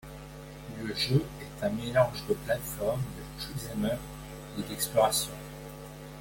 Le jeu est un mélange de plates-formes, de shoot them up et d'exploration.